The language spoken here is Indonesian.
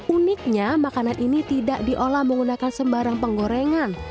uniknya makanan ini tidak diolah menggunakan sembarang penggorengan